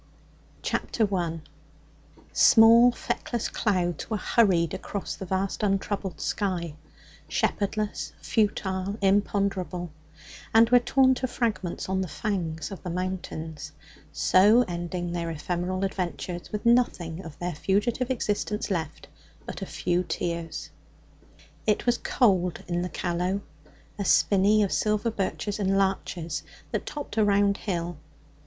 _ Chapter 1 Small feckless clouds were hurried across the vast untroubled sky shepherdless, futile, imponderable and were torn to fragments on the fangs of the mountains, so ending their ephemeral adventures with nothing of their fugitive existence left but a few tears. It was cold in the Callow a spinney of silver birches and larches that topped a round hill.